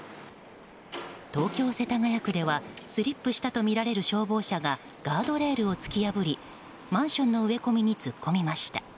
東京・世田谷区ではスリップしたとみられる消防車がガードレールを突き破りマンションの植え込みに突っ込みました。